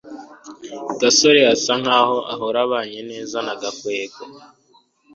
gasore asa nkaho ahora abanye neza na gakwego